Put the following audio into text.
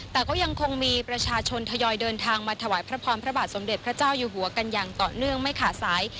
แต่ก็ยังคงมีประชาชนทยอยเดินทางมาถวายพระพรพระบาทสมเด็จพระเจ้าอยู่หัวกันอย่างต่อเนื่องไม่ขาดสาย